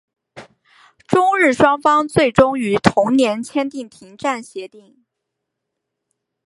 中日双方最终于同年签订停战协定。